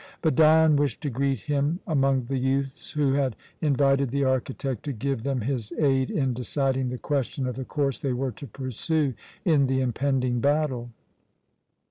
But Dion wished to greet him among the youths who had invited the architect to give them his aid in deciding the question of the course they were to pursue in the impending battle.